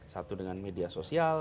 satu dengan media sosial